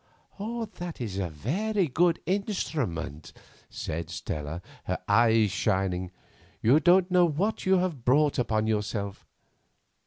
"That is a very good instrument," said Stella, her eyes shining, "you don't know what you have brought upon yourself.